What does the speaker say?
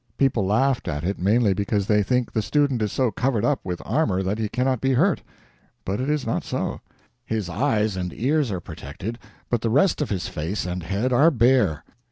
People laugh at it mainly because they think the student is so covered up with armor that he cannot be hurt. But it is not so; his eyes and ears are protected, but the rest of his face and head are bare.